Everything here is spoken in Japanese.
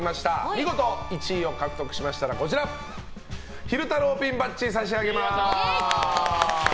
見事１位を獲得されましたら昼太郎ピンバッジを差し上げます。